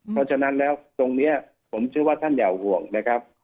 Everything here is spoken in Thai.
เพราะฉะนั้นแล้วตรงนี้ผมเชื่อว่าท่านอย่าห่วงนะครับ